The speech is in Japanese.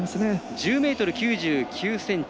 １０ｍ９９ｃｍ。